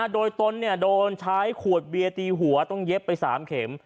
โดยตนโดนใช้ขวดเบียร์ตีหัวต้องเย็บไป๓เข็ม